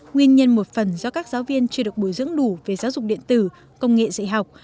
nguyên nhân một phần do các giáo viên chưa được bồi dưỡng đủ về giáo dục điện tử công nghệ dạy học